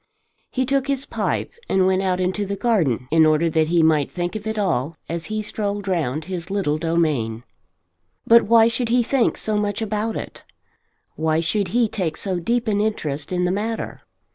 He took his pipe and went out into the garden in order that he might think of it all as he strolled round his little domain. But why should he think so much about it? Why should he take so deep an interest in the matter?